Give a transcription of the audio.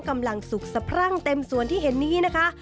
กำลังสุขสะพรั่งเต็มส่วนที่เห็นนี้นะคะ